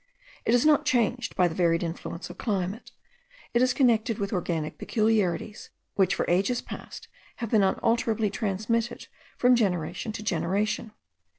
It is not changed by the varied influence of climate; it is connected with organic peculiarities which for ages past have been unalterably transmitted from generation to generation.